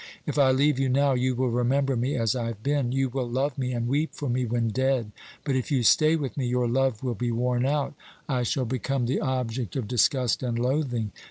If I leave you now, you will remember me as I have been you will love me and weep for me when dead; but if you stay with me, your love will be worn out; I shall become the object of disgust and loathing.